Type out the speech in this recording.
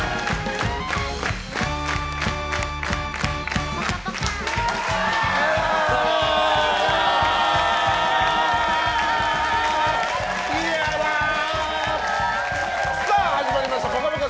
どうもー！さあ、始まりました「ぽかぽか」